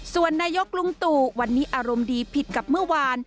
ส่วนนายกลุงตู่วันนี้อารมณ์ดีผิดกับเมื่อวาน